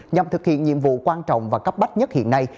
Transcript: nhằm thực hiện nhiệm vụ quan trọng và cấp bách nhất hiện nay